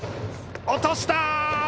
落とした！